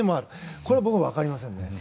これは僕も分かりませんね。